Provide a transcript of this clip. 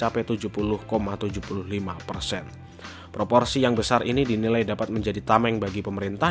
proporsi yang besar ini dinilai dapat menjadi tameng bagi pemerintah